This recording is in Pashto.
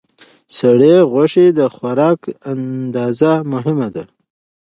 د سرې غوښې د خوراک اندازه مهمه ده.